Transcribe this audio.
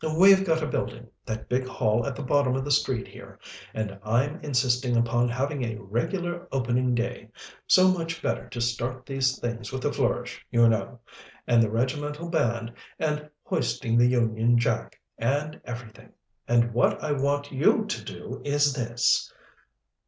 We've got a building that big hall just at the bottom of the street here and I'm insisting upon having a regular opening day so much better to start these things with a flourish, you know and the regimental band, and hoisting the Union Jack, and everything. And what I want you to do is this."